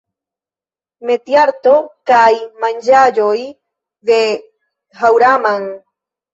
Metiarto kaj manĝaĵoj de Haŭraman